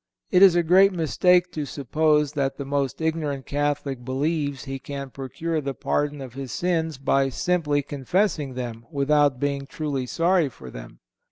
It is a great mistake to suppose that the most ignorant Catholic believes he can procure the pardon of his sins by simply confessing them without being truly sorry for them.